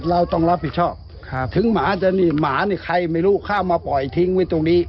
เราต้องรับผิดชอบถึงหมาจะนี่หมานี่ใครไม่รู้เข้ามาปล่อยทิ้งไว้ตรงนี้